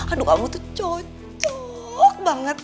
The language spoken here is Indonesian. aduh kamu tuh cocok banget